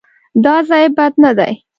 _دا ځای بد نه دی.